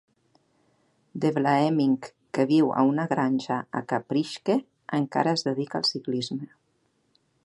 De Vlaeminck, que viu a una granja a Kaprijke, encara es dedica al ciclisme.